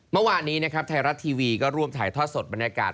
เมื่อวานนี้นะครับไทยรัฐทีวีก็ร่วมถ่ายทอดสดบรรยากาศ